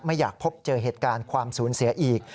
ไม่อยากพบเจอเหตุการณ์ความสูญเสียอีก